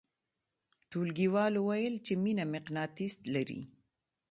ټولګیوالو ویل چې مینه مقناطیس لري